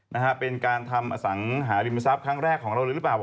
นะฮะเป็นการทำอสังหาริมทรัพย์ครั้งแรกของเราเลยหรือเปล่า